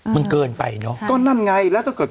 มันเกินไปเนาะก็นั่นไงแล้วก็หาก